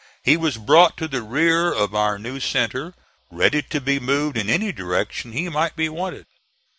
He was brought to the rear of our new centre, ready to be moved in any direction he might be wanted.